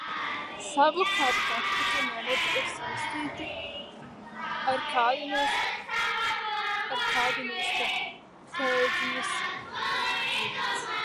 Savukārt taktika nereti ir saistīta ar kādu no stratēģijas aspektiem vai posmiem.